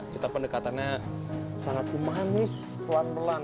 ketepan dekatannya sangat umanis pelan pelan